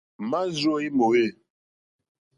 Mârzô í mòwê.